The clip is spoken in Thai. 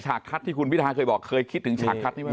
คัดที่คุณพิทาเคยบอกเคยคิดถึงฉากคัดนี้ไหม